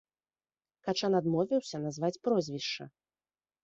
Качан адмовіўся назваць прозвішча.